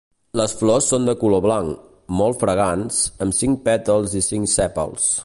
Les flors són de color blanc, molt fragants, amb cinc pètals i cinc sèpals.